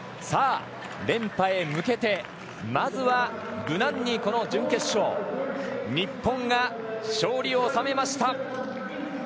さあ、連覇へ向けてまずは無難にこの準決勝日本が勝利を収めました。